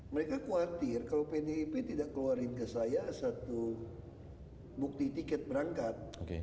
mereka khawatir kalau pdip tidak keluarin ke saya satu bukti tiket berangkat